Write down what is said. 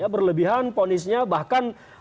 berlebihan ponisnya bahkan